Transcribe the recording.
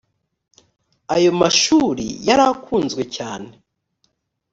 ayo mashuri yari akunzwe cyane